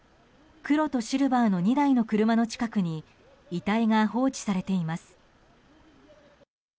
黒とシルバーの２台の車の近くに遺体が放置されています。